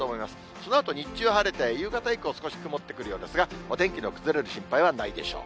そのあと、日中晴れて、夕方以降、少し曇ってくるようですが、お天気の崩れる心配はないでしょう。